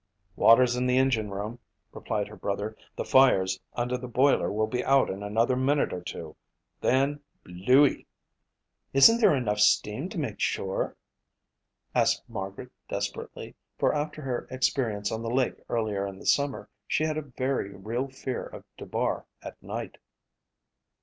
"Water's in the engine room," replied her brother. "The fires under the boiler will be out in another minute or two. Then blewy!" "Isn't there enough steam to make shore?" asked Margaret desperately, for after her experience on the lake earlier in the summer she had a very real fear of Dubar at night.